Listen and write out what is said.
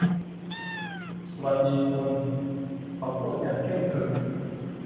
สวัสดีคุณ เขาพูดอย่างเคร่งขรึม